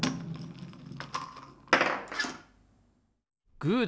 グーだ！